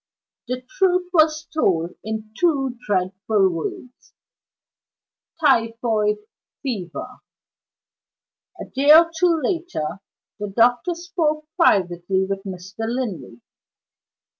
The truth was told in two dreadful words: "Typhoid Fever." A day or two later, the doctor spoke privately with Mr. Linley.